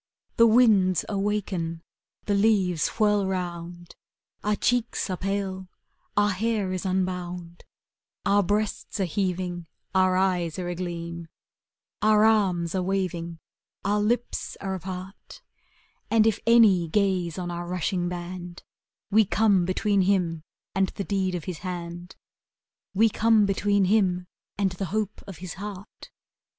The winds awaken, the leaves whirl rou?id, Our cheeks are pale, our hair is unbound, Our breasts are heaving, our eyes are a gleam, Our arms are waving, our lips are apart; And if any gaze on our rushing band, We come between him and the deed of his hand, We come between him and the hope of his heart.''